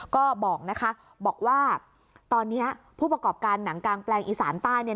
ก็บอกว่าตอนนี้ผู้ประกอบการหนังกางแปลงอีสานใต้